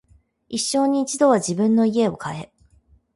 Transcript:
一生に一度は自分の家を買え